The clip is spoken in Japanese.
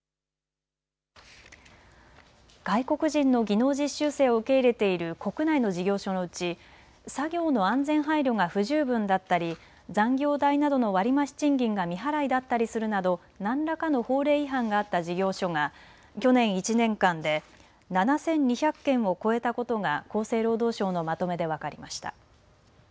外国人の技能実習生を受け入れている国内の事業所のうち作業の安全配慮が不十分だったり残業代などの割り増し賃金が未払いだったりするなど何らかの法令違反があった事業所が去年１年間で７２００件を超えたことが厚生労働省のまとめで分かりました。